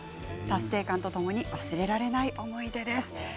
達成感とともに忘れられない思い出です。